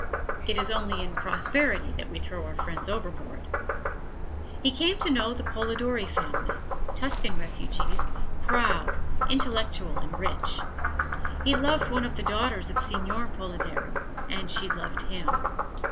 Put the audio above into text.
It is only in prosperity that we throw our friends overboard. He came to know the Polidori family Tuscan refugees proud, intellectual and rich. He loved one of the daughters of Seignior Polidori, and she loved him.